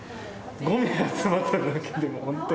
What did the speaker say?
５名集まっただけでも本当に。